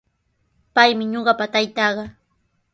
Paymi ñuqapa taytaaqa.